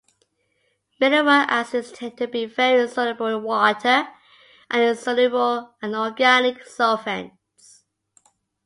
Mineral acids tend to be very soluble in water and insoluble in organic solvents.